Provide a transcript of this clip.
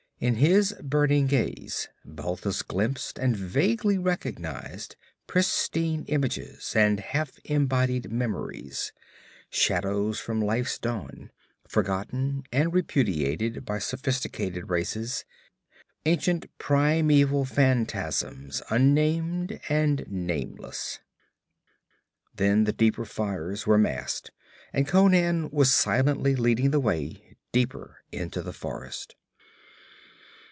In his burning gaze Balthus glimpsed and vaguely recognized pristine images and half embodied memories, shadows from Life's dawn, forgotten and repudiated by sophisticated races ancient, primeval fantasms unnamed and nameless. Then the deeper fires were masked and Conan was silently leading the way deeper into the forest.